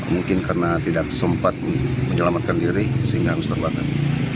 mungkin karena tidak sempat menyelamatkan diri sehingga harus terbakar